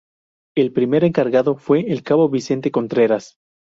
El primer encargado fue el Cabo Vicente Contreras.